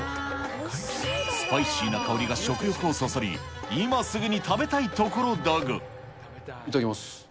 スパイシーな香りが食欲をそそり、いただきます。